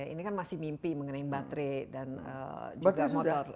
ini kan masih mimpi mengenai baterai dan juga motor